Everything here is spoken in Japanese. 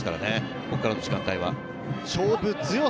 ここからの時間帯は。